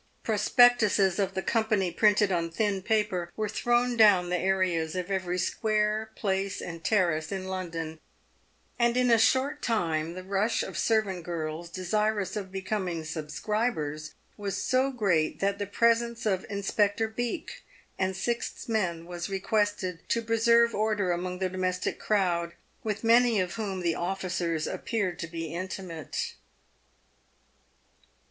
Prospectuses of the company printed on thin paper were thrown down the areas of every square, place, and terrace in London, and in a short time the rush of servant girls desirous of be coming subscribers was so great that the presence of Inspector Beak and six men was requested to preserve order among the domestic crowd, with many of whom the officers appeared to be intimate.